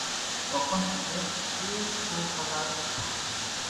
তখন এদের 'পে শৌচাগার' বলে।